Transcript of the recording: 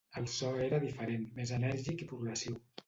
El so era diferent, més enèrgic i progressiu.